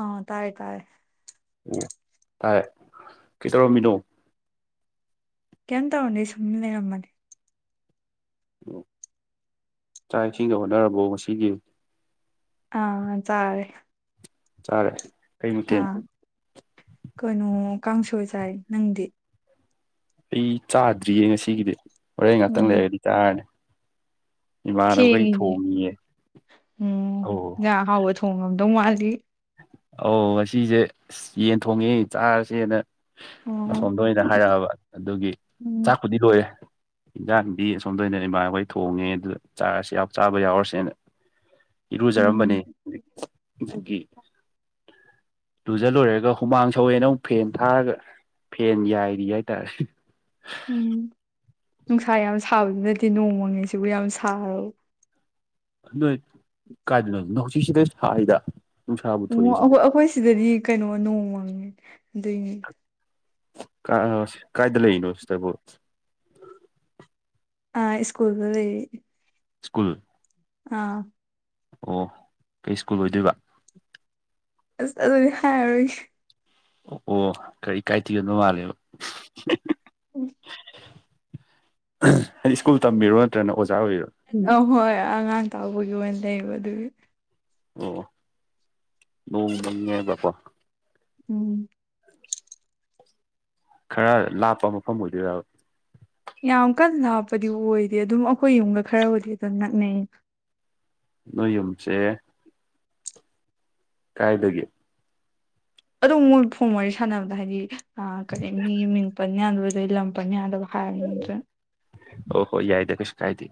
ꯑ ꯇꯥꯥꯏꯦ ꯇꯥꯥꯏꯦ ꯎ ꯇꯥꯏ ꯀꯩꯗꯧꯔꯝꯃꯤꯅꯣ ꯀꯩꯝ ꯇꯧꯗ ꯁꯨꯝꯃꯤ ꯂꯩꯔ ꯃꯥꯅꯦ ꯑꯣ ꯆꯥꯛ ꯏꯁꯤꯡꯗꯦ ꯍꯣꯠꯅꯔꯕꯣ ꯉꯁꯤꯒꯤ ꯑꯥ ꯆꯥꯔꯦ ꯆꯔꯦ ꯑꯥ ꯀꯩꯅꯣ ꯀꯥꯡꯁꯣꯏ ꯆꯥꯏ ꯅꯪꯗꯤ ꯑꯩ ꯆꯥꯗ꯭ꯔꯤꯌꯦ ꯉꯁꯤꯒꯤꯗꯤ ꯍꯣꯔꯦꯟ ꯉꯥꯛꯇꯪ ꯎꯝ ꯂꯩꯔꯗꯤ ꯆꯥꯔꯅꯤ ꯏꯃꯥꯟꯅꯕꯈꯩ ꯊꯦꯡꯉꯤꯅꯦ ꯊꯣꯡꯉꯤꯌꯦ ꯎꯝ ꯑꯧ ꯉꯥꯛ ꯑꯍꯥꯎꯕ ꯊꯣꯡꯉꯝꯗꯧ ꯃꯥꯜꯂꯤ ꯑꯧ ꯉꯁꯤꯁꯦ ꯌꯦꯟ ꯊꯣꯡꯉꯦ ꯆꯥꯔꯁꯦꯅ ꯑꯣ ꯑꯁꯣꯝꯗ ꯑꯣꯏꯅ ꯍꯥꯏꯔꯛꯑꯕ ꯑꯗꯨꯒꯤ ꯎꯝ ꯆꯥꯛꯄꯨꯗꯤ ꯂꯣꯏꯔꯦ ꯏꯟꯖꯥꯡꯗꯤ ꯑꯁꯣꯝꯗ ꯑꯣꯏꯅ ꯏꯃꯥꯅꯕꯈꯩ ꯊꯣꯡꯉꯦ ꯑꯗꯨꯗ ꯆꯥꯔꯁꯤ ꯌꯥꯎ ꯆꯥꯕ ꯌꯥꯎꯔꯁꯦꯅ ꯏꯔꯨꯖꯔꯝꯕꯅꯦ ꯎꯝ ꯑꯗꯨꯒꯤ ꯂꯨꯖ ꯂꯣꯏꯔꯒ ꯍꯨꯃꯥꯡ ꯁꯧꯋꯦꯅ ꯑꯃꯨꯛ ꯐꯦꯟ ꯊꯥꯔꯒ ꯐꯦꯟ ꯌꯥꯏꯔꯤ ꯍꯥꯏꯇꯥꯔꯦ ꯎꯝ ꯅꯨꯡꯁꯥ ꯌꯥꯝ ꯁꯥꯕꯗꯨ ꯅꯠꯇꯦ ꯅꯣꯡꯃꯪꯉꯤꯁꯤꯕꯨ ꯌꯥꯝ ꯁꯥꯔꯕ ꯅꯣꯏ ꯀꯥꯏꯗꯅꯣ ꯅꯣ ꯍꯧꯖꯤꯛꯁꯤꯗ ꯁꯔꯤꯗ ꯎ ꯑꯈꯣꯏ ꯑꯈꯣꯏ ꯁꯤꯗꯗꯤ ꯀꯩꯅꯣ ꯅꯣꯡꯃꯪꯉꯦ ꯑꯗꯨꯏꯅꯤ ꯀꯥꯁ ꯀꯥꯏꯗ ꯂꯩꯅꯣ ꯁꯤꯁꯇꯕꯨ ꯑ ꯁ꯭ꯀꯨꯜꯗ ꯂꯩꯔꯤ ꯁ꯭ꯀꯨꯜ ꯑꯥ ꯑꯣ ꯀꯩ ꯁ꯭ꯀꯨꯜ ꯑꯣꯏꯗꯣꯏꯕ ꯑꯁ ꯑꯗꯨꯗꯤ ꯍꯥꯏꯔꯔꯣꯏꯒꯦ ꯑꯣ ꯑꯣ ꯀꯔꯤ ꯏꯀꯥꯏꯊꯤꯒꯟꯕ ꯃꯥꯜꯂꯦꯕ ꯎꯝ ꯍꯥꯏꯗꯤ ꯁ꯭ꯀꯨꯜ ꯇꯝꯕꯤꯔꯣ ꯅꯠꯇ꯭ꯔꯅ ꯑꯣꯖꯥ ꯑꯣꯏꯔꯤꯔꯣ ꯑꯍꯣꯏ ꯑꯉꯥꯡ ꯇꯥꯎꯕꯒꯤ ꯑꯣꯏꯅ ꯂꯩꯕ ꯑꯗꯨꯒꯤ ꯑꯣ ꯅꯣꯡ ꯃꯪꯉꯦꯕꯀꯣ ꯎꯝ ꯈꯔ ꯂꯥꯞꯄ ꯃꯐꯝ ꯑꯣꯏꯗꯣꯏꯔꯕ ꯌꯥꯝ ꯀꯟꯅ ꯂꯥꯞꯄꯗꯤ ꯑꯣꯏꯗꯦ ꯑꯗꯨꯝ ꯑꯩꯈꯣꯏ ꯌꯨꯝꯒ ꯈꯔꯕꯨꯗꯤ ꯑꯗꯨꯝ ꯅꯛꯅꯩ ꯅꯣꯏ ꯌꯨꯝꯁꯦ ꯀꯥꯏꯗꯒꯤ ꯑꯗꯨꯝ ꯃꯣꯏ ꯐꯣꯡ ꯋꯥꯔꯤ ꯁꯥꯟꯅꯕꯗ ꯍꯥꯏꯗꯤ ꯑ ꯀꯔꯤ ꯃꯤ ꯃꯤꯡ ꯄꯟ ꯌꯥꯗꯕ ꯑꯗꯩ ꯂꯝ ꯄꯟ ꯌꯥꯗꯕ ꯍꯥꯏ ꯔꯤꯡꯗꯔ꯭ꯦ ꯍꯣ ꯍꯣꯏ ꯌꯥꯏꯗ ꯀꯩꯁꯨ ꯀꯥꯏꯗꯦ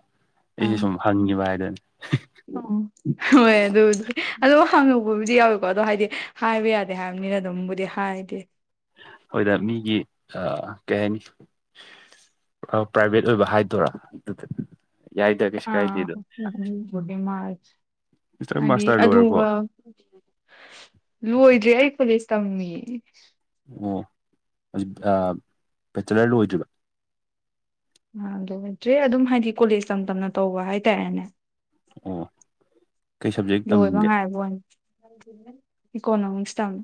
ꯑꯩꯖꯨ ꯁꯨꯝ ꯍꯪꯉꯤꯕ ꯍꯥꯏꯗꯨꯅꯤ ꯑꯣ ꯍꯣꯏ ꯑꯗꯨꯕꯨꯗꯤ ꯑꯗꯣ ꯍꯪꯉꯧꯕꯕꯨꯗꯤ ꯌꯥꯎꯋꯦꯀꯣ ꯑꯗꯣ ꯍꯥꯏꯗꯤ ꯍꯥꯏꯕ ꯌꯥꯗꯦ ꯍꯥꯏꯕꯅꯤꯅ ꯑꯗꯨꯝꯕꯨꯗꯤ ꯍꯥꯏꯗꯦ ꯍꯣꯏꯗ ꯃꯤꯒꯤ ꯑꯥ ꯀꯩ ꯍꯥꯏꯅꯤ ꯄ꯭ꯔꯥꯏꯚꯦꯠ ꯑꯣꯏꯕ ꯍꯥꯏꯗꯣꯏꯔꯥ ꯑꯗꯨꯗ ꯌꯥꯏꯗ ꯀꯩꯁꯨ ꯑ ꯀꯥꯏꯗꯦꯗ [unintelligible] ꯁꯤꯁꯇꯔ ꯍꯥꯏꯗꯤ ꯃꯥꯁꯇꯔ ꯂꯣꯏꯔꯕꯣ ꯑꯗꯨꯒ ꯂꯣꯏꯗ꯭ꯔꯦ ꯑꯩ ꯐꯣꯂꯦꯁ ꯇꯝꯃꯤ ꯑꯣ ꯍꯧꯖꯤ ꯕꯦꯆꯂꯔ ꯂꯣꯏꯗ꯭ꯔꯤꯕ ꯑ ꯑꯗꯨ ꯗ꯭ꯔꯦ ꯑꯗꯨꯝ ꯍꯥꯏꯗꯤ ꯀꯣꯂꯦꯖ ꯇꯝ ꯇꯝꯅ ꯇꯧꯕ ꯍꯥꯏꯇꯥꯔꯦꯅꯦ ꯑꯣ ꯀꯩ ꯁꯕꯖꯦꯛ ꯂꯣꯏꯕ ꯇꯝꯒꯦ ꯉꯥꯏꯕꯋꯥꯅꯤ ꯏꯀꯣꯅꫭꯃꯤꯛꯁ ꯇꯝꯃꯤ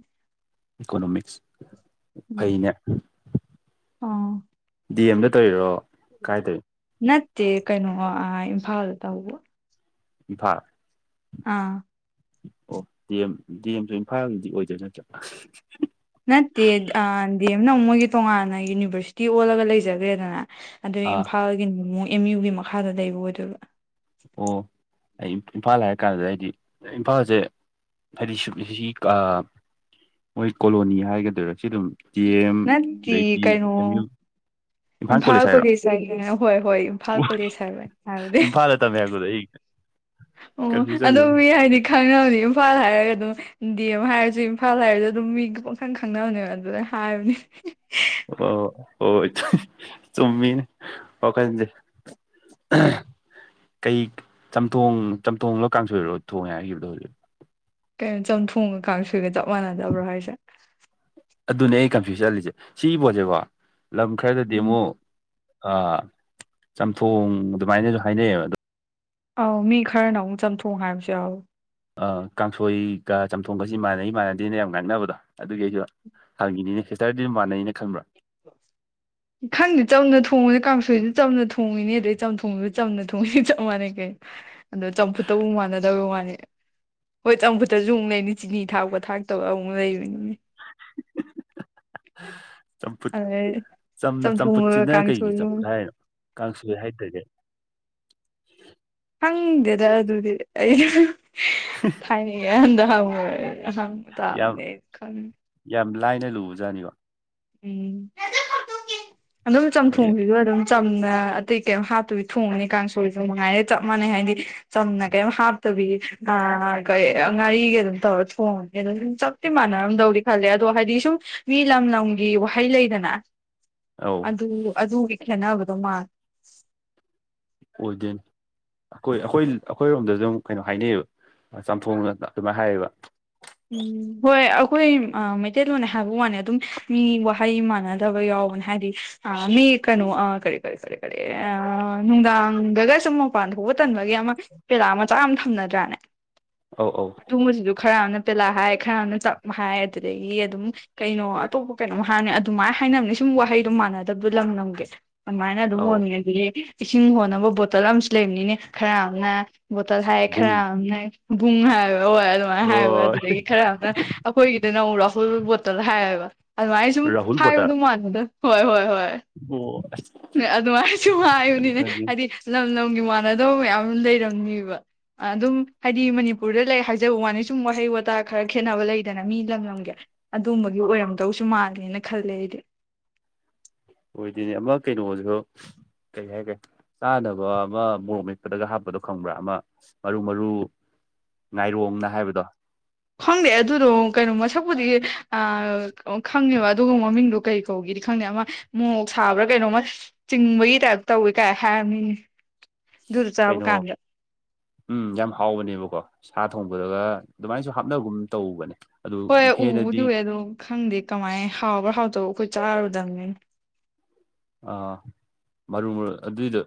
ꯏꯀꯣꯅꯣꯃꯤꯛꯁ ꯎꯝ ꯐꯩꯅꯦ ꯑꯥ ꯗꯤ ꯑꯦꯝꯗ ꯇꯧꯔꯤꯔꯣ ꯀꯥꯏꯗꯩ ꯅꯠꯇꯦ ꯀꯩꯅꯣ ꯑꯥ ꯏꯝꯐꯥꯜꯇꯧꯕ‍ ꯏꯝꯐꯥꯜ ꯑꯥ ꯑꯣ ꯗꯤ ꯑꯦꯝ ꯗꯤ ꯑꯦꯝꯁꯨ ꯏꯝꯐꯥꯜꯒꯤꯗꯤ ꯑꯣꯏꯗꯣꯏ ꯅꯠꯇ꯭ꯔꫭ ꯅꯠꯇꯦ ꯑꯥ ꯗꯤ ꯑꯦꯝ ꯅꯃꯨꯛ ꯃꯣꯏꯒꯤ ꯇꯣꯉꯥꯟꯅ ꯌꯨꯅꯤꯚꯔꯁꯤꯇꯤ ꯑꯣꯜꯂꯒ ꯂꯩꯖꯒ꯭ꯔꯦꯗꯅ ꯑꯗꯨ ꯑꯥ ꯏꯝꯐꯥꯜꯒꯤꯅꯃꯨꯛ ꯑꯦꯝ ꯌꯨꯒꯤ ꯃꯈꯥꯗ ꯂꯩꯕ ꯑꯣꯏꯗꯣꯏꯕ ꯑꯣ ꯑꯩ ꯏꯝꯐꯥꯜ ꯍꯥꯏꯔ ꯀꯥꯟꯗ ꯑꯩꯗꯤ ꯏꯝꯐꯥꯜꯁꯦ ꯍꯥꯏꯗꯤ ꯁꯨꯞ ꯅꯤꯁꯤꯁꯤꯀꯥ ꯃꯣꯏ ꯀꯣꯂꯣꯅꯤ ꯍꯥꯏꯒꯗꯣꯏꯔꯥ ꯁꯤ ꯑꯗꯨꯝ ꯗꯤ ꯑꯦꯝ ꯅꯠꯇꯦ ꯑꯗꯩꯗꯤ ꯀꯩꯅꯣ ꯑꯦꯝ ꯌꯨꯜ ꯏꯝꯐꯥꯜ ꯀꯣꯂꯦꯖ ꯍꯥꯏꯒꯦ ꯍꯣꯏ ꯍꯣꯏ ꯏꯝꯐꯥꯜ ꯀꯣꯂꯦꯖ ꯍꯥꯏꯕꯅꯦ ꯍꯥꯏꯔꯗꯤ ꯇꯃꯦ [unintelligible] ꯑꯣ ꯑꯗꫭ ꯃꯤ ꯍꯥꯏꯗꯤ ꯈꯪꯅꯕꯅꯤ ꯏꯝꯐꯥꯜ ꯍꯥꯏꯔꯒ ꯑꯗꯨꯝ ꯗꯤ ꯑꯦꯝ ꯍꯥꯏꯔꯁꯨ ꯏꯝꯐꯥꯜ ꯍꯥꯏꯔꯁꯨ ꯑꯗꯨꯝ ꯃꯤ ꯄꯈꯪ ꯈꯪꯅꯕꯅꯦꯕ ꯑꯗꯨꯅ ꯍꯥꯏꯕꯅꯤ ꯑꯣ ꯍꯣꯏ ꯆꯨꯝꯃꯤꯅꯦ ꯋꯥꯈꯟꯁꯦ [inaudible] ꯀꯩ ꯆꯝꯊꯣꯡ ꯆꯝꯊꯣꯡ ꯂꫭ ꯀꯥꯡ ꯁꯣꯏꯔꯣ ꯊꯣꯡꯉꯦ ꯍꯥꯏꯈꯤꯕꯗꯣ ꯍꯧꯖꯤꯛ ꯀꯩꯅꯣ ꯆꯝꯊꯣꯡꯒ ꯀꯥꯡ ꯁꯣꯏꯒ ꯆꯞ ꯃꯥꯟꯅꯗꯕ꯭ꯔꯣ ꯍꯥꯏꯁꯦ ꯑꯗꯨꯅꯦ ꯑꯩ ꯀꯟꯐ꯭ꯌꯨꯁ ꯆꯠꯂꯤꯁꯦ ꯁꯤꯒꯤ ꯄꯣꯠꯁꯦꯀꯣ ꯂꯝ ꯈꯔꯗꯗꯤ ꯎꯝ ꯑꯃꯨꯛ ꯑꯥ ꯆꯝꯊꯣꯡ ꯑꯗꯨꯃꯥꯏꯅꯁꯨ ꯍꯥꯏꯅꯩꯕ ꯑꯗꯨ ꯑꯧ ꯃꯤ ꯈꯔꯅ ꯑꯃꯨꯛ ꯆꯝꯊꯣꯡ ꯍꯥꯏꯕꯁꯨ ꯌꯥꯎꯋ ꯑ ꯀꯥꯡꯁꯣꯏꯒ ꯆꯝꯊꯣꯡꯒꯁꯤ ꯃꯥꯟꯅꯩ ꯃꯥꯟꯅꯗꯦꯅ ꯌꯥꯝ ꯉꯥꯡꯅꯕꯗꯣ ꯑꯗꯨꯒꯤ ꯑꯩꯁꯨ ꯍꯥꯟꯉꯤꯅꯤꯅꯦ ꯁꯤꯁꯇꯔꯗꯤ ꯃꯥꯟꯅꯩꯅ ꯈꯟꯕ꯭ꯔꯥ [inaudible] ꯈꯪꯗꯤ ꯆꯝꯅ ꯊꯣꯡꯉꯤꯅꯦ ꯀꯥꯡꯁꯣꯏꯁꯨ ꯆꯝꯅ ꯊꯣꯡꯉꯤꯅꯦ ꯑꯗꯩ ꯆꯝꯊꯣꯡꯁꯨ ꯆꯝꯅ ꯊꯣꯡꯉꯤꯅꯤ ꯆꯞ ꯃꯥꯟꯅꯩ ꯀꯩꯅꯣ ꯑꯗꯣ ꯆꯝꯐꯨꯠꯇꯕꯨ ꯃꯥꯟꯅꯗꯕꯒꯤ ꯋꯥꯅꯤ ꯍꯣꯏ ꯆꯝꯐꯨꯠꯇꯁꯨ ꯑꯃꯨꯛ ꯂꯩꯅꯤ ꯆꯤꯅꯤ ꯊꯥꯛꯄ ꯊꯥꯛꯇꯕ ꯑꯃꯨꯛ ꯂꯩꯕꯅꯤꯅꯦ [inaudible] ꯆꯝꯐꯨꯠ ꯑꯗꯩ ꯆꯝꯅ ꯆꯝꯊꯣꯡꯒ ꯆꯝꯐꯨꯠꯁꯤꯅ ꯀꯩꯒꯤ ꯀꯥꯡꯁꯣꯏꯒ ꯆꯝꯐꯨꯠ ꯍꯥꯏꯅꯣ ꯀꯥꯡꯁꯣꯏ ꯍꯥꯏꯗꯈꯥꯏ ꯈꯪꯗꯦꯗ ꯑꯗꯨꯗꯤ ꯑꯩꯁꯨ ꯊꯥꯏꯅꯒꯤ ꯑꯍꯥꯟꯗ ꯍꯪꯕ ꯌꯥꯝ ꯇꯥꯕꯅꯦ ꯈꯪꯗꯦ ꯌꯥꯝ ꯂꯥꯏꯅ ꯂꯨꯕꯖꯥꯠꯅꯤꯀꯣ ꯎꯝ ꯑꯗꯨꯝ ꯑꯩꯅ ꯆꯝꯊꯣꯡꯖꯤꯗꯣ ꯑꯗꯨꯝ ꯆꯝꯅ ꯑꯇꯩ ꯀꯩ ꯍꯥꯠꯇꯣꯏꯗꯤ ꯊꯣꯡꯉꯅꯤ ꯀꯥꯡꯁꯣꯏꯁꯨ ꯅꯨꯡꯉꯥꯏꯔꯦ ꯆꯞ ꯃꯥꯟꯅꯩ ꯍꯥꯏꯗꯤ ꯆꯝꯅ ꯀꯩꯝ ꯍꯥꯞꯇꯕꯤ ꯑ ꯉꯥꯔꯤꯒ ꯑꯗꯨꯝ ꯇꯧꯔ ꯊꯣꯡꯉꯅꯤ ꯑꯗꯝ ꯆꯞ ꯇꯤ ꯃꯥꯟꯅꯔꯝꯗꯧ ꯈꯜꯂꯦ ꯑꯗꯣ ꯍꯥꯏꯗꯤ ꯁꯨꯝ ꯃꯤ ꯂꯝ ꯂꯝ ꯒꯤ ꯋꯥꯍꯩ ꯂꯩꯗꯅ ꯑꯧ ꯑꯗꯨ ꯑꯗꯨꯒꯤ ꯈꯦꯠꯅꯕꯗꯣ ꯃꯥꯜꯂꯦ ꯑꯣꯏꯗꯟ ꯑꯩꯈꯣꯏ ꯑꯩꯈꯣꯏ ꯑꯩꯈꯣꯏꯔꯣꯝꯗꯁꯨꯝ ꯀꯩꯅꯣ ꯍꯥꯏꯅꯩꯌꯦꯕ ꯆꯝꯊꯣꯡꯅ ꯑꯗꯨꯃꯥꯏꯅ ꯍꯥꯏꯌꯦꯕ ꯎꯝ ꯍꯣꯏ ꯑꯩꯈꯣꯏ ꯃꯩꯇꯩꯂꯣꯟ ꯍꯥꯏꯕ ꯋꯥꯅꯤ ꯑꯗꯨꯝ ꯃꯤ ꯋꯥꯍꯩ ꯃꯥꯟꯅꯗꯕ ꯌꯥꯎꯕꯅꯦ ꯍꯥꯏꯗꯤ ꯑ ꯃꯤ ꯀꯩꯅꯣ ꯑ ꯀꯔꯦ ꯀꯦ ꯈꯔꯦ ꯀ ꯑ ꯅꯨꯡꯗꯥ ꯒ ꯁꯨꯝ ꯃꯄꯥꯟ ꯊꯣꯛꯄ ꯇꯟꯕꯒꯤ ꯑꯃ ꯄꯦꯔꯥ ꯃꯆꯥ ꯑꯃ ꯊꯝꯅꯗ꯭ꯔꯥꯅꯦ ꯑꯧ ꯑꯧ ꯊꯣꯡꯕꯁꯤꯁꯨ ꯈꯔ ꯑꯃꯅ ꯄꯦꯂꯥ ꯍꯥꯏ ꯈꯔ ꯑꯃꯅ ꯇꯞ ꯍꯥꯏ ꯑꯗꯨꯗꯒꯤ ꯑꯗꯨꯝ ꯀꯩꯅꯣ ꯑꯇꯣꯞꯄ ꯀꯩꯅꯣꯝ ꯍꯥꯟꯅꯦ ꯑꯗꯨꯃꯥꯏꯅ ꯍꯥꯏꯅꯕꯅꯦ ꯁꯨꯝ ꯋꯥꯍꯩꯗꯣ ꯃꯥꯟꯅꯗꯕꯗꯣ ꯂꯝ ꯂꯝꯒꯦ ꯑꯗꯨꯃꯥꯏꯅ ꯑꯗꯨꯝ ꯑꯧ ꯍꯣꯟꯉꯦ ꯑꯗꯨꯗꯤ ꯏꯁꯤꯡ ꯍꯣꯟꯅꯕ ꯕꯣꯇꯜ ꯑꯃꯁꯨ ꯂꯩꯕꯅꯤꯅꯦ ꯈꯔ ꯑꯃꯅ ꯕꯣꯇꯜ ꯍꯥꯏ ꯕꯨꯡ ꯈꯔ ꯕꯨꯡ ꯍꯥꯏꯕ ꯑꯗꯨꯃꯥꯏꯅ ꯍꯥꯏꯕ ꯑꯣ ꯑꯗꯨꯗꯒꯤ ꯈꯔ ꯑꯃꯅ ꯑꯩꯈꯣꯏꯒꯤꯗ ꯅ ꯑꯃꯨꯛ ꯔꯥꯍꯨꯜ ꯕꯣꯇꯜ ꯍꯥꯏꯌꯦꯕ ꯑꯗꯨꯃꯥꯏꯅ ꯁꯨꯝ ꯔꯥꯍꯨꯜ ꯄꯣꯇꯔ ꯍꯥꯏꯕꯗꯨ ꯃꯥꯟꯕꯗ ꯍꯣꯏ ꯍꯣꯏ ꯍꯣꯏ ꯑꯣ ꯑꯗꯨꯃꯥꯏꯅꯁꯨ ꯍꯥꯏꯕꯅꯤꯅꯦ ꯈꯪꯉꯤ ꯍꯥꯏꯗꯤ ꯂꯝ ꯂꯝꯒꯤ ꯃꯥꯟꯅꯗꯕ ꯃꯌꯥꯝ ꯑꯃ ꯂꯩꯔꯝꯅꯤꯕ ꯑꯗꯨꯝ ꯍꯥꯏꯗꯤ ꯃꯅꯤꯄꯨꯔꯗ ꯂꯩ ꯍꯥꯏꯖꯕ ꯋꯥꯅꯤ ꯁꯨꯝ ꯋꯥꯍꯩ ꯋꯥꯠ ꯇꯥ ꯈꯔ ꯈꯦꯠꯅꯕ ꯂꯩꯗꯅ ꯃꯤ ꯂꯝ ꯂꯝꯒꯤ ꯑꯗꯨꯝꯕꯒꯤ ꯑꯣꯏꯔꯝꯗꯧꯁꯨ ꯃꯥꯜꯂꯦꯅ ꯈꯜꯂꯦ ꯑꯩꯗꯤ ꯑꯣꯏꯗꯣꯏꯅꯦ ꯑꯃ ꯀꯩꯅꯣꯁꯨ ꯀꯩ ꯍꯥꯏꯒꯦ ꯆꯥꯅꯕ ꯑꯃ ꯃꯣꯔꯣꯛ ꯃꯠꯄꯗꯒ ꯍꯥꯞꯄꯗꯣ ꯈꯪꯕ꯭ꯔꯥ ꯑꯃ ꯃꯔꯨ ꯃꯔꯨ ꯉꯥꯏꯔꯣꯡꯅ ꯍꯥꯏꯕꯗꯣ ꯈꯪꯗꯦ ꯑꯗꯨꯗꯣ ꯀꯩꯅꯣ ꯃꯁꯛꯄꯨꯗꯤ ꯈꯪꯉꯦꯕ ꯑꯗꯨꯒ ꯃꯃꯤꯡꯗꯣ ꯀꯩ ꯀꯧꯒꯦꯗꯤ ꯈꯪꯗꯦ ꯑꯃ ꯃꯣꯛ ꯁꯥꯕ꯭ꯔꯥ ꯀꯩꯅꯣꯝꯃ ꯆꯤꯡꯕꯒꯤ ꯇꯥꯏꯞ ꯇꯧꯋꯦ ꯀꯥꯏ ꯍꯥꯏꯕꯅꯤꯅꯦ ꯀꯩꯅꯣ ꯎꯝ ꯌꯥꯝ ꯍꯥꯎꯕꯅꯦꯕꯀꯣ ꯁꯥ ꯊꯣꯡꯕꯗꯒ ꯑꯗꯨꯃꯥꯏꯅꯁꯨ ꯍꯥꯞꯅꯕꯒꯨꯝ ꯇꯧꯕꯅꯦ ꯑꯗꯨ ꯍꯣꯏ ꯎꯕꯗꯤ ꯍꯦꯟꯅꯗꯤ ꯎꯏꯌꯦ ꯑꯗꯣ ꯈꯪꯗꯦ ꯀꯃꯥꯏ ꯍꯥꯎꯕ꯭ꯔꯥ ꯍꯥꯎꯇꯕ ꯑꯩꯈꯣꯏ ꯆꯥꯔꯨꯗꯕꯅꯤꯅ ꯑꯥ ꯃꯔꯨ ꯃꯔꯨ ꯑꯗꯨꯏꯗꯣ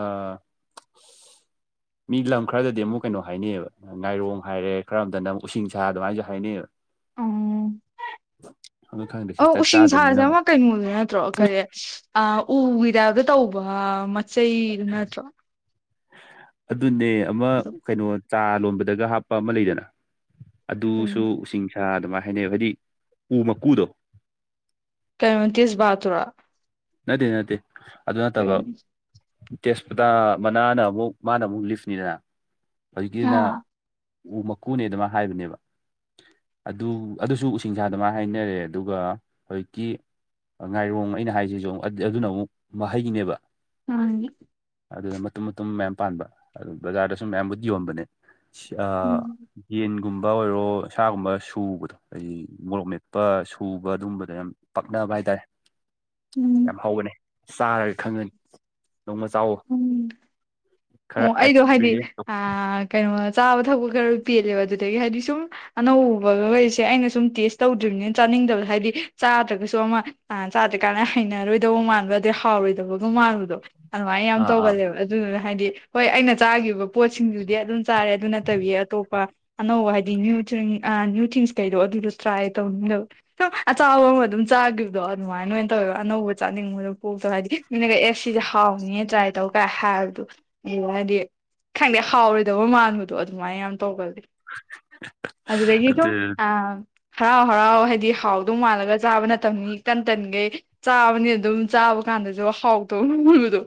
ꯑꯥ [unintelligible] ꯃꯤ ꯂꯝ ꯈꯔꯗꯗꯤ ꯑꯃꯨꯛ ꯀꯩꯅꯣ ꯍꯥꯏꯅꯩꯌꯦꯕ ꯉꯥꯏꯔꯣꯡ ꯍꯥꯏꯔꯦ ꯈꯔ ꯑꯝꯇꯅ ꯑꯃꯨꯛ ꯎꯁꯤꯡꯁꯥ ꯑꯗꯨꯃꯥꯏꯅꯁꯨ ꯍꯥꯏꯅꯩꯌꯦꯕ ꯎꯝ ꯑꯗꯨ ꯈꯪꯗꯦ ꯑꯧ ꯁꯤꯁꯇ ꯎꯁꯤꯡ ꯁꯥꯁꯦ ꯆꯥꯗ꯭ꯔꯤꯝꯅꯤꯅ ꯑꯃ ꯑꯃꯨꯛ ꯀꯩꯅꯣꯗꯨ ꯅꯠꯇ꯭ꯔꯣ ꯀꯔꯤ ꯎꯒꯤꯗꯥꯕꯗ ꯇꯧꯕ ꯃꯆꯩꯗꯨ ꯅꯠꯇ꯭ꯔꯣ ꯑꯗꯨꯅꯦ ꯑꯃ ꯀꯩꯅꯣ ꯆꯥ ꯂꯣꯟꯕꯗꯒ ꯍꯥꯞꯄ ꯑꯃ ꯂꯩꯗꯅ ꯑꯗꯨꯁꯨ ꯎꯁꯤꯡ ꯑꯗꯨꯃꯥꯏꯅ ꯍꯥꯏꯅꯩ ꯍꯥꯏꯗꯤ ꯎ ꯃꯀꯨꯗꯣ ꯀꯥꯏꯇꯁ ꯕꯥ ꯇꯨꯔꯥ ꯅꯠꯇꯦ ꯅꯠꯇꯦ ꯑꯗꯨ ꯅꯠꯇꯕ ꯀꯩꯅꯣ ꯇꯦꯁꯄꯇꯥ ꯃꯅꯥꯅ ꯑꯃꯨꯛ ꯃꯥꯅ ꯑꯃꯨꯛ ꯂꯤꯐꯅꯤꯗꯅ ꯍꯧꯖꯤꯛꯀꯤꯗꯨꯅ ꯑꯥ ꯎ ꯃꯀꯨꯅꯦ ꯑꯗꯨꯃꯥꯏ ꯍꯥꯏꯕꯅꯦꯕ ꯑꯗꯨ ꯑꯗꯨꯁꯨ ꯎꯁꯤꯡꯁꯥꯗꯨꯃꯥꯏ ꯍꯥꯏꯅꯔꯦ ꯑꯗꯨꯒ ꯍꯧꯖꯤꯛꯀꯤ ꯉꯥꯏꯔꯣꯡ ꯑꯩꯅ ꯍꯥꯏꯁꯤꯁꯨ ꯑꯃꯨꯛ ꯑꯗꯨꯅ ꯑꯃꯨꯛ ꯃꯍꯩꯅꯦꯕ ꯎꯝ ꯑꯗꯨꯗ ꯃꯇꯨꯝ ꯃꯇꯨꯝ ꯃꯌꯥꯝ ꯄꯥꯟꯕ ꯑꯗꯨ ꯕꯖꯥꯔꯗꯁꯨ ꯃꯌꯥꯝꯕꯨꯗꯤ ꯌꯣꯟꯕꯅꯦ ꯌꯦꯟꯒꯨꯝꯕ ꯑꯣꯏꯔꯣ ꯁꯥꯒꯨꯝꯕ ꯁꯨꯕꯗꯣ ꯍꯥꯏꯗꯤ ꯃꯣꯔꯣꯛ ꯃꯦꯠꯄ ꯁꯨꯕ ꯑꯗꯨꯒꯝꯕꯗ ꯌꯥꯝ ꯄꯛꯅꯕ ꯍꯥꯏꯇꯥꯔꯦ ꯌꯥꯝ ꯎꯝ ꯍꯧꯒꯅꯤ ꯆꯥꯔꯒ ꯈꯪꯒꯅꯤ ꯅꯣꯡꯃ ꯆꯥꯎꯋ ꯎꯝ ꯑꯣ ꯑꯩꯗꯣ ꯍꯥꯏꯗꯤ ꯀꯩꯅꯣ ꯆꯥꯕ ꯊꯛ ꯈꯔ ꯄꯦꯜꯂꯦꯕ ꯑꯗꯨꯗꯒꯤ ꯍꯥꯏꯗꯤ ꯁꯨꯝ ꯑꯅꯧꯕꯒ ꯍꯁꯦ ꯑꯩꯅ ꯁꯨꯝ ꯇꯦꯁ ꯇꯧꯗ꯭ꯔꯤꯕꯅꯤꯅ ꯆꯥꯅꯤꯡꯗꯕꯗ ꯍꯥꯏꯗꯤ ꯆꯥꯗ꯭ꯔꯒꯁꯨ ꯑꯃ ꯑ ꯆꯥꯗ꯭ꯔꯤꯀꯥꯟꯅ ꯍꯩꯅꯔꯣꯏꯗꯧꯕ ꯃꯥꯟꯕ ꯑꯗꯨꯩ ꯍꯥꯎꯔꯣꯏꯗꯕꯒ ꯃꯥꯟꯕꯗꯣ ꯑꯗꯨꯃꯥꯏꯅ ꯌꯥꯝ ꯑꯥ ꯑꯥ ꯇꯧꯒꯜꯂꯦꯕ ꯑꯗꯨꯗꯨꯅ ꯍꯥꯏꯗꯤ ꯍꯣꯏ ꯑꯩꯅ ꯆꯥꯈꯤꯕ ꯄꯣꯠꯁꯤꯡꯗꯨꯗꯤ ꯑꯗꯨꯝ ꯆꯥꯔꯦ ꯑꯗꯨ ꯅꯠꯇꯕꯤ ꯑꯇꯣꯞꯄ ꯑꯅꯧꯕ ꯍꯥꯏꯗꯤ ꯅ꯭ꯌꯨ ꯊꯤꯡ ꯑ꯭ꯌꯨ ꯊꯤꯡꯁ ꯀꯩꯗꯣ ꯑꯗꯨꯗꯁꯨ ꯇ꯭ꯔꯥꯏ ꯇꯧꯅꯤꯡꯗꯕ ꯁꯨꯝ ꯑꯆꯆꯥꯕ ꯑꯃ ꯑꯗꯨꯝ ꯆꯥꯈꯤꯕꯗꯣ ꯑꯗꯨꯃꯥꯏꯅ ꯑꯣꯏꯅ ꯇꯧꯋꯦꯕ ꯑꯅꯧꯕ ꯆꯥꯅꯤꯡꯕꯗꯣ ꯄꯣꯛꯇꯧ ꯍꯥꯏꯗꯤ ꯃꯤꯅꯦꯒ ꯑꯦ ꯁꯤꯁꯦ ꯍꯥꯎꯅꯤꯌꯦ ꯇ꯭ꯔꯥꯏ ꯇꯧ ꯀꯥꯏ ꯍꯥꯏꯕꯗꯨ ꯑꯗꯨ ꯍꯥꯏꯗꯤ ꯈꯪꯗꯦ ꯍꯥꯎꯔꯣꯏꯗꯕ ꯃꯥꯟꯕꯗꯣ ꯑꯗꯨꯃꯥꯏꯅ ꯌꯥꯝ ꯇꯧꯒꯜꯂꯤ ꯑ ꯀꯩꯀꯣ ꯑꯗꯨ ꯑ ꯍꯔꯥꯎ ꯍꯔꯥꯎ ꯍꯥꯏꯗꯤ ꯍꯥꯎꯗꯧ ꯃꯥꯜꯂꯒ ꯆꯥꯕ ꯅꯅꯤ ꯇꯟ ꯇꯟꯈꯩ ꯆꯥꯕꯅꯤ ꯑꯗꯨꯝ ꯆꯥꯕ ꯀꯥꯟꯗꯁꯨ ꯍꯥꯎ ꯇꯧꯕꯗꯣ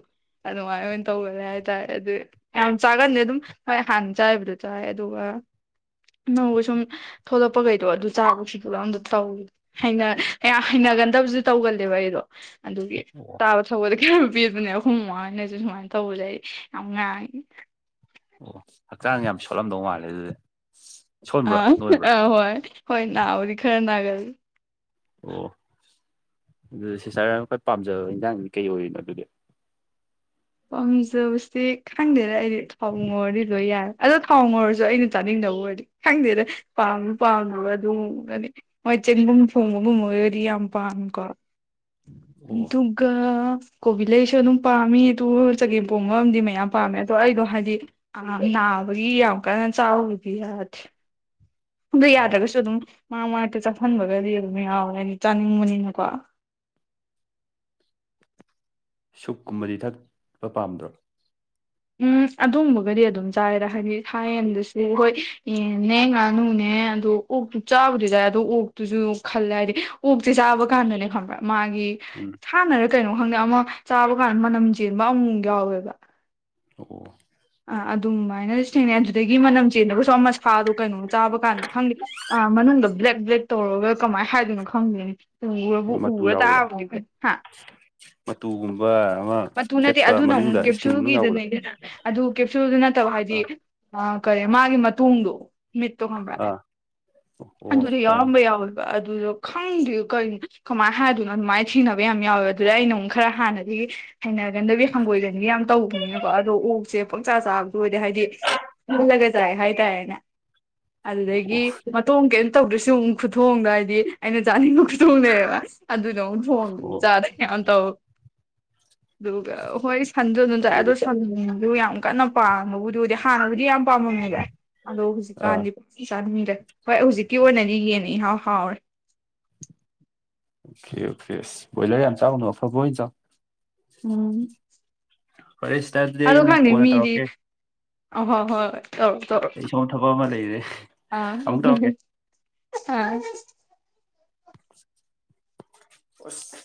ꯑꯗꯨꯃꯥꯏꯅ ꯑꯣꯏꯅ ꯇꯧꯈꯔꯦ ꯍꯥꯏ ꯇꯥꯏ ꯑꯗꯨ ꯌꯥꯝ ꯆꯥꯒꯟꯗꯤꯦ ꯑꯗꯨꯝ ꯍꯣꯏ ꯍꯥꯟꯅ ꯆꯥꯏꯕꯗꯣ ꯆꯥꯏ ꯑꯗꯨꯒ ꯅꯧꯧꯕ ꯁꯨꯝ ꯊꯂꯛꯄꯈꯩꯗꯣ ꯑꯗꯨ ꯆꯥꯕ ꯁꯤꯗꯂ ꯑꯝꯇ ꯇꯧꯋ ꯍꯩꯅꯌꯥꯝ ꯍꯩꯅꯒꯟꯗꯕꯁꯨ ꯇꯧꯒꯜꯂꯦꯕ ꯑꯩꯗꯣ ꯑꯗꯨꯒꯤ ꯑꯣ ꯇꯥꯕ ꯊꯧꯕꯗ ꯀꯌꯥꯝ ꯄꯤꯕꯅꯦ ꯑꯈꯨꯝ ꯃꯃꯥꯡ ꯍꯥꯏꯅꯁꯨ ꯁꯨꯃꯥꯏꯅ ꯇꯧꯕꯁꯦ ꯑꯉ ꯑꯣ ꯍꯛꯆꯥꯡ ꯌꯥꯝ ꯁꯣꯠꯂꯝꯗꯧ ꯃꯥꯜꯂꯦ ꯑꯗꯨꯗꯤ ꯁꯣꯟꯕ꯭ꯔꯥ ꯑꯥ ꯅꯣꯏꯕ꯭ꯔꯥ ꯑꯥ ꯍꯣꯏ ꯍꯣꯏ ꯅꯥꯎꯗꯤ ꯈꯔ ꯅꯥꯒꯜꯂꯤ ꯑꯣ ꯑꯗꯨꯗꯤ ꯁꯤꯁꯇꯔ ꯈꯣꯏ ꯄꯥꯝꯖꯕ ꯌꯦꯟꯖꯥꯡꯗꯤ ꯀꯩ ꯑꯣꯏꯔꯤꯅꯣ ꯑꯗꯨꯗꯤ ꯄꯥꯝꯖꯕꯁꯤ ꯈꯪꯗꯦꯅ ꯑꯩꯗꯤ ꯊꯥꯎ ꯉꯣꯔꯗꯤ ꯂꯣꯏ ꯌꯥꯏ ꯑꯗꯣ ꯊꯥꯎ ꯉꯧꯔꯁꯨ ꯑꯩꯅ ꯆꯥꯅꯤꯡꯗꯕ ꯑꯣꯏꯔꯗꯤ ꯈꯪꯗꯦꯔꯦ ꯄꯥꯝ ꯄꯥꯝꯗꯕ ꯑꯗꯨꯒꯒꯅꯤ ꯃꯣꯏ ꯆꯅꯤꯡꯨꯝ ꯐꯉꯒꯨꯝ ꯃꯔꯤꯄꯥꯥ ꯀꯔ ꯑꯣ ꯑꯗꯨꯒꯗꯨꯒ ꯀꯣꯕꯤꯂꯦꯁ ꯑꯗꯨ ꯅꯨꯄꯥꯝꯃꯤ ꯑꯗꯨꯨ ꯆꯒꯦꯝ ꯄꯣꯡꯕ ꯑꯃꯗꯤꯗꯤ ꯃꯌꯥꯝ ꯄꯥꯝꯃꯦ ꯑꯗꯣ ꯑꯩꯗꯣ ꯍꯥꯏꯗꯤ ꯑ ꯅꯅꯥꯒꯤ ꯌꯥꯝ ꯀꯥꯟ ꯆꯥꯎꯥꯎꯒꯤꯗ ꯑꯗꯨ ꯑꯣ ꯌꯥꯗ꯭ꯔꯒꯁꯨ ꯑꯗꯨꯝ ꯃꯥ ꯃꯥꯛꯇ ꯆꯥꯍꯟꯕꯒꯗꯤ ꯑꯗꯨꯝ ꯌꯥꯎꯔꯦ ꯍꯥꯏ ꯆꯥꯅꯤꯡꯕꯅꯤꯅꯀꯣ ꯁꯨꯛ ꯀꯨꯝꯕꯗꯤ ꯊꯛꯄ ꯄꯥꯝꯗ꯭ꯔꯣ ꯎꯝ ꯑꯗꯨꯝꯕꯒꯗꯤ ꯑꯗꯨꯝ ꯆꯥꯏꯔꯦ ꯍꯥꯏꯗꯤ ꯊꯥꯏꯟꯗꯁ ꯍꯈꯣꯏ ꯌꯦꯟꯅꯦ ꯉꯥꯅꯨꯅꯦ ꯑꯗꯨ ꯑꯣꯛꯇꯨ ꯆꯥꯕꯨꯗꯤ ꯌꯥꯏꯦ ꯑꯗꯣ ꯑꯣꯛꯇꯨꯁꯨ ꯈꯜꯂꯦ ꯍꯥꯏꯗꯤ ꯑꯣꯛꯁꯦ ꯆꯥꯕ ꯀꯥꯟꯗꯅꯦ ꯈꯪꯕ꯭ꯔꯥ ꯃꯥꯒꯤ ꯎꯝ ꯍꯥꯟꯅꯔ ꯀꯩꯅꯣ ꯈꯪꯗꯦ ꯑꯃ ꯆꯥꯕ ꯀꯥꯟꯗ ꯃꯅꯝ ꯆꯦꯟꯕ ꯑꯃꯨꯛ ꯌꯥꯎꯋꯦꯕ ꯑꯣ ꯑꯥ ꯑꯗꯨꯃꯥꯏꯅꯗꯤ ꯊꯦꯡꯅꯩ ꯑꯗꯨꯗꯒꯤ ꯃꯅꯝ ꯆꯦꯟꯗꯕꯁꯨ ꯃꯁꯥꯗꯣ ꯀꯩꯅꯣꯝ ꯆꯥꯕ ꯀꯥꯟꯗ ꯈꯪꯗꯔ ꯑ ꯃꯅꯨꯡꯗ ꯕ꯭ꯂꯦꯛ ꯕ꯭ꯂꯦꯛ ꯇꯧꯔꯒ ꯀꯃꯥꯏꯅ ꯍꯥꯏꯗꯣꯏꯅꯣ ꯈꯪꯗꯦꯅꯦ ꯎ ꯎ ꯃꯇꯨ ꯇꯥ ꯌꯥꯎꯕꯗ ꯍꯥ ꯃꯇꯨꯒꯨꯝꯕ ꯑꯃ ꯃꯨ ꯅꯠꯇꯦ ꯈꯦꯠꯄ ꯑꯗꯨ ꯅ ꯃꯅꯨꯡꯗ ꯑꯃꯨꯛ ꯏꯁꯀꯤꯟ ꯃꯅꯨꯡ ꯌꯥꯎꯕꯗꯣ ꯀꯦꯞꯁꯨꯒꯤꯗꯅꯤꯗꯅ ꯑꯗꯨ ꯀꯦꯞꯁꯨꯜꯗꯨ ꯅꯠꯇꯕ ꯍꯥꯏꯗꯤ ꯑꯥ ꯀꯔꯤ ꯃꯥꯒꯤ ꯃꯇꯨꯡꯣꯡꯗꯣ ꯃꯠꯇ ꯈꯝꯕ ꯑꯥ ꯑꯣ ꯑꯗꯔ ꯈꯪꯉꯦ ꯌꯥꯎꯕ ꯌꯥꯎꯕ ꯑꯗꯨꯗꯣ ꯈꯪꯗꯦ ꯀꯅꯣ ꯀꯃꯥꯏꯅ ꯍꯥꯏꯗꯣꯏꯅꯣ ꯑꯗꯨꯃꯥꯏꯅ ꯊꯤꯅꯕ ꯌꯥꯝ ꯌꯥꯎꯋꯦ ꯑꯗꯨꯗ ꯑꯩꯅ ꯑꯃꯨꯛ ꯈꯔ ꯍꯥꯟꯅꯗꯒꯤ ꯍꯩꯅꯒꯟꯗꯕꯤ ꯍꯪꯒꯣꯏꯗꯟꯒꯤ ꯌꯥꯝ ꯇꯧꯕꯅꯤꯅꯀꯣ ꯑꯗꯣ ꯑꯣ ꯁꯦ ꯄꯣꯛꯆꯥ ꯆꯥꯕꯗꯨ ꯑꯣꯏꯔꯗꯤ ꯍꯥꯏꯗꯤ ꯄꯨꯜꯂꯒ ꯆꯥꯏ ꯍꯥꯏꯇꯥꯔꯦꯅꯦ ꯑꯣ ꯑꯗꯨꯗꯒꯤ ꯃꯇꯣꯡ ꯀꯩꯝ ꯇꯧꯗ꯭ꯔꯁꯤ ꯑꯃꯨꯛ ꯈꯨꯊꯣꯡꯗ ꯍꯥꯏꯗꯤ ꯑꯩꯅ ꯆꯥꯅꯤꯡꯕ ꯈꯨꯊꯣꯡꯅꯦꯕ ꯑꯗꯨꯗ ꯍꯣꯡ ꯑꯣ ꯆꯥꯔ ꯀꯅ ꯇꯧ ꯑꯗꯨꯒ ꯍꯣꯏ ꯁꯟꯁꯨ ꯑꯗꯨꯝ ꯆꯠꯦ ꯑꯗꯣ ꯐꯩꯅꯦ ꯁꯟꯗꯨ ꯌꯥꯝ ꯀꯟꯅ ꯄꯥꯝꯕꯕꯨꯗꯨꯕꯨꯗꯤ ꯍꯥꯟꯅꯕꯨꯗꯤ ꯌꯥꯝ ꯄꯥꯝꯃꯝꯃꯦꯗ ꯑꯗꯣ ꯑꯥ ꯍꯧꯖꯤꯛꯀꯥꯟꯗꯤ ꯆꯥꯅꯃꯤꯗꯦ ꯍꯣꯏ ꯍꯧꯖꯤꯛꯀꯤ ꯑꯣꯏꯅꯗꯤ ꯌꯦꯟꯅꯤ ꯏꯍꯥꯎ ꯍꯥꯎꯔꯦ ꯑꯣꯦ ꯑꯣꯀꯦꯁ ꯣꯏꯂꯔ ꯍꯥꯏ ꯆ ꯑꯥꯎꯅ ꯑꯐꯕ ꯎꯝ [unintelligible] ꯑꯗꯣ ꯈꯪꯗꯦ ꯀꯣꯟꯅ ꯃꯤꯗꯤ ꯇꯧꯔꯛꯀꯦ ꯑꯣ ꯍꯣꯏ ꯍꯣꯏ [unintelligible] ꯇꯧꯔꯣ ꯑꯩ ꯁꯣꯝ ꯊꯕꯛ ꯑꯃ ꯂꯩꯔꯦ ꯑ ꯑꯃꯨꯛ ꯇꯧꯔꯛꯀꯦ ꯑ [unintelligible] [unintelligible]